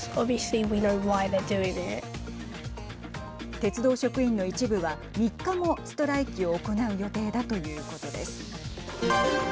鉄道職員の一部は３日もストライキを行う予定だということです。